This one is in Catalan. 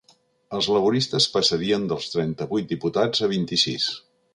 Els laboristes passarien dels trenta-vuit diputats a vint-i-sis.